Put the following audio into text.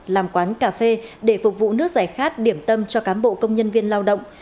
làm quán cà phê để phục vụ nước giải khát điểm tâm cho cám bộ công nhân viên lao động